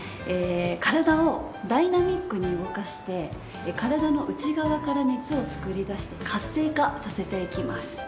体をダイナミックに動かして体の内側から熱を作り出して活性化させていきます。